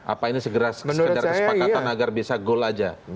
apa ini segera segera kesepakatan agar bisa goal saja